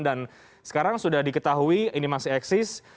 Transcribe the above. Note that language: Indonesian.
dan sekarang sudah diketahui ini masih eksis